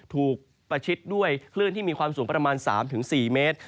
ประชิดด้วยคลื่นที่มีความสูงประมาณ๓๔เมตร